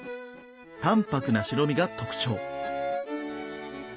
淡泊な白身が特徴。